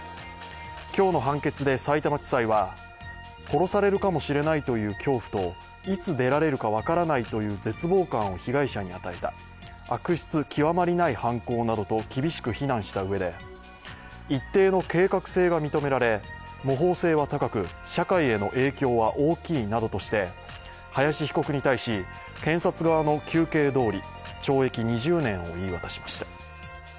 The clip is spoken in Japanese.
今日の判決でさいたま地裁は、殺されるかもしれないという恐怖といつ出られるか分からないという絶望感を被害者に与えた悪質極まりない犯行などと厳しく非難したうえで一定の計画性が認められ、模倣性は高く、社会への影響は大きいなどとして林被告に対し検察側の求刑どおり懲役２０年を言い渡しました。